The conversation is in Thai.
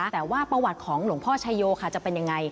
แต่ว่าประวัติของหลวงพ่อชายโยค่ะจะเป็นยังไง